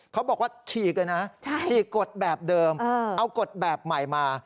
เขาบอกว่าฉีกเลยนะฉีกกฎแบบเดิมเอากฎแบบใหม่มา